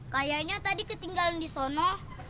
kayaknya tadi ketinggalan di sana